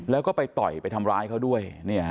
แล้วก็ไปต่อยไปทำร้ายเขาด้วย